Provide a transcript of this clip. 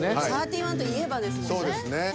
「サーティワン」といえばですもんね。